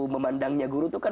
memandangnya guru itu kan